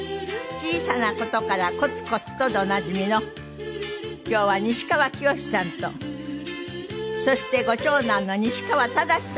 「小さなことからコツコツと」でおなじみの今日は西川きよしさんとそしてご長男の西川忠志さんとおいでいただきました。